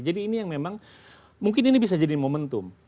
jadi ini yang memang mungkin ini bisa jadi momentum